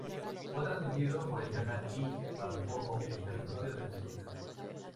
Fue transmitido por el Canal-i para todo el territorio de Venezuela.